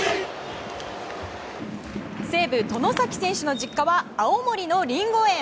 西武、外崎選手の実家は青森のリンゴ園。